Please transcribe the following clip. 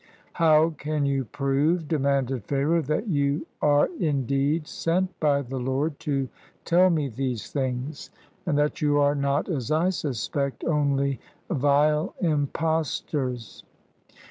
"How can you prove, "demanded Pharaoh, " that you are, indeed, sent by the Lord to tell me these things, and that you are not, as I suspect, only vile impostors?